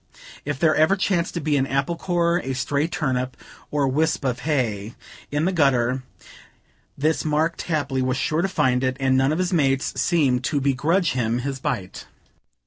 If there ever chanced to be an apple core, a stray turnip, or wisp of hay, in the gutter, this Mark Tapley was sure to find it, and none of his mates seemed to begrudge him his bite.